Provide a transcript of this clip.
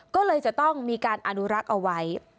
ก็เลยจะต้องมีการอนุรักษ์เอาไว้